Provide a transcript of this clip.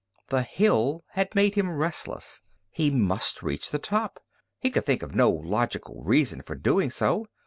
The hill had made him restless. He must reach the top. He could think of no logical reason for doing so.